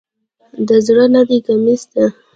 دا زری نده، کمیس ده.